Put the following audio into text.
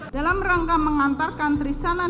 dalam rangka mengantarkan trisana dan perhubungan